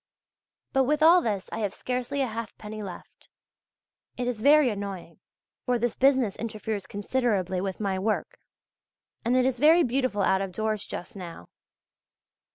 But with all this I have scarcely a halfpenny left. It is very annoying, for this business interferes considerably with my work, and it is very beautiful out of doors just now.